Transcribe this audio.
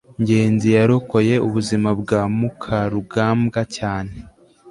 ngenzi yarokoye ubuzima bwa mukarugambwa cyane